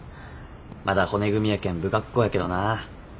まだ骨組みやけん不格好やけどな。